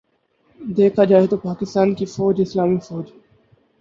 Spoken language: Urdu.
دیکھا جائے تو پاکستان کی فوج اسلامی فوج